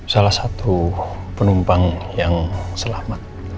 salah satu penumpang yang selamat